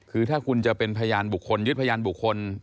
คือถ้าคุณจะเป็นพยานบุคคลยึดพยานบุคคล